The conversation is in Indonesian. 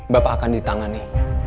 bapak akan ditangani